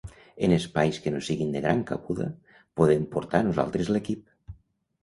En espais que no siguin de gran cabuda, podem portar nosaltres l'equip.